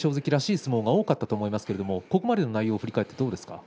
相撲が多かったと思いますけれどもここまでの内容を振り返ってどうですか。